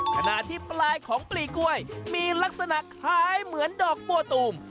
ขณะที่ปลายของปลีกล้วยมีลักษณะคล้ายเหมือนดอกบัวตูม